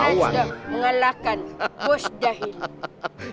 karena sudah mengalahkan bos dahil